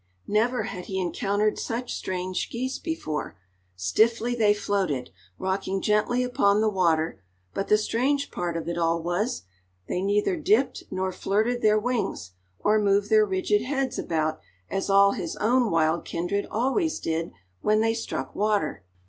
Never had he encountered such strange geese before; stiffly they floated, rocking gently upon the water, but the strange part of it all was, they neither dipped nor flirted their wings, or moved their rigid heads about as all his own wild kindred always did when they struck water.